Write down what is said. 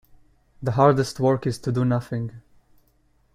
The hardest work is to do nothing.